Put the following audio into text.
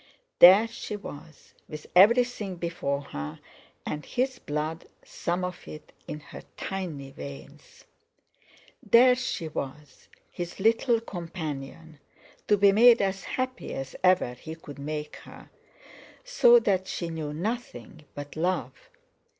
There she was with everything before her, and his blood—some of it—in her tiny veins. There she was, his little companion, to be made as happy as ever he could make her, so that she knew nothing but love.